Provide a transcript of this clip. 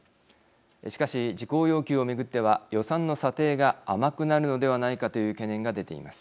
しかし事項要求を巡っては予算の査定が甘くなるのではないかという懸念が出ています。